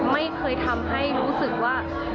ไม่เคยทำให้รู้สึกว่า